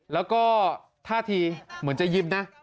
แล้วก็ท่าทีเหมือนจะยิ้มนะ